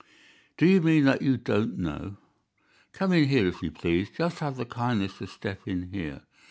"Do you mean that you don't know?" "Come in here, if you please. Just have the kindness to step in here."